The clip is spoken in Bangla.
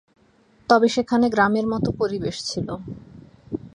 তবে সেখানে গ্রামের মতো পরিবেশ ছিল।